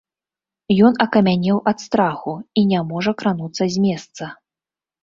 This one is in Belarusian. Ён акамянеў ад страху і не можа крануцца з месца.